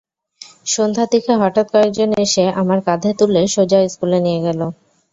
সন্ধ্যার দিকে হঠাৎ কয়েকজন এসে আমাকে কাঁধে তুলে সোজা স্কুলে নিয়ে গেল।